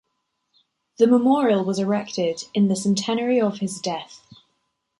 The memorial was erected in the centenary of his death.